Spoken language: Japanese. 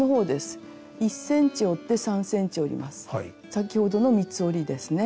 先ほどの三つ折りですね。